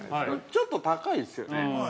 ちょっと高いですよね。